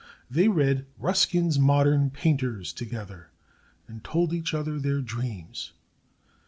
They read Ruskin's "Modern Painters" together, and told each other their dreams.